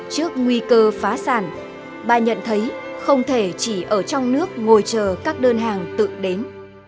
trước nguy cơ phá sản bà nhận thấy không thể chỉ ở trong nước ngồi chờ các đơn hàng tự đến